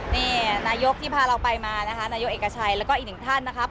นี่นายกที่พาเราไปมานะคะนายกเอกชัยแล้วก็อีกหนึ่งท่านนะครับ